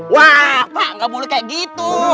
wah pak nggak boleh kayak gitu